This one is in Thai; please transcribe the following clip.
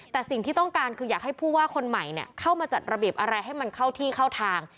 แต่สิ่งที่ต้องการคืออยากให้ผู้ว่าคนใหม่เข้ามาจัดระเบียบอะไรให้มันเข้าที่เข้าทาง